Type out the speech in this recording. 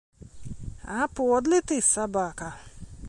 А, подлы ты, сабака!